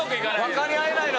分かり合えないな。